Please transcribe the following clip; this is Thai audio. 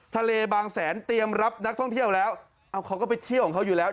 บางแสนเตรียมรับนักท่องเที่ยวแล้วเอาเขาก็ไปเที่ยวของเขาอยู่แล้ว